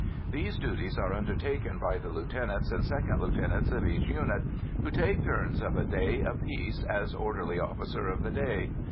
These duties are undertaken by the lieutenants and second lieutenants of each unit, who take turns of a day apiece as "orderly officer of the day."